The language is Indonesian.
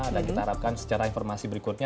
dan kita harapkan secara informasi berikutnya